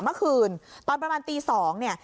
เมื่อคืนตอนประมาณตี๒เนี่ย